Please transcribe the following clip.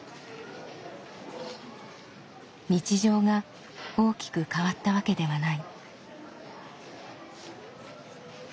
日常が大きく変わったわけではない。